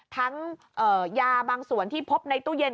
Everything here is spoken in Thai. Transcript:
ยาบางส่วนที่พบในตู้เย็น